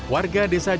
warga desa jemengkul